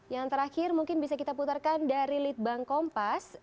yang terakhir mungkin bisa kita putarkan dari litbang kompas